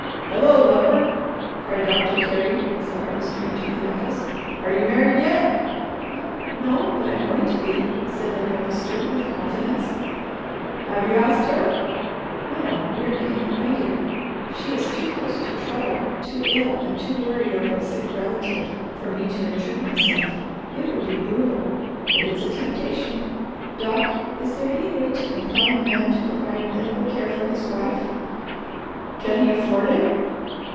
"Hello, lover!" cried Doctor Carey as the Harvester entered the office. "Are you married yet?" "No. But I'm going to be," said the Harvester with confidence. "Have you asked her?" "No. We are getting acquainted. She is too close to trouble, too ill, and too worried over a sick relative for me to intrude myself; it would be brutal, but it's a temptation. Doc, is there any way to compel a man to provide medical care for his wife?" "Can he afford it?"